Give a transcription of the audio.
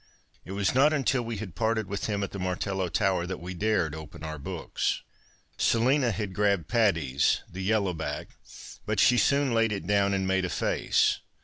It was not until we had parted with him at the Martello tower that we dared open our books. Selina had grabbed Patty's, the yellow back, but she soon laid it down, and made a face.